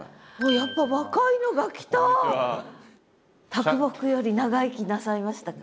啄木より長生きなさいましたか？